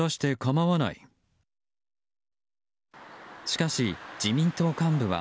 しかし自民党幹部は